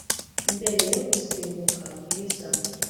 mbere yo gusimbuka bwiza